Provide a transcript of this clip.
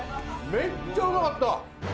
めっちゃうまかった。